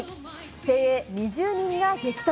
精鋭２０人が激突。